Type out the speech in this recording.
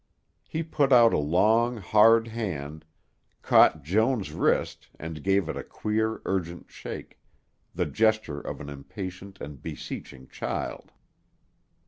He put out a long, hard hand, caught Joan's wrist and gave it a queer, urgent shake, the gesture of an impatient and beseeching child.